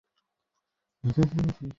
আমি জানি এ কে।